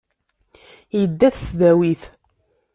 Yedda ɣer tesdawit.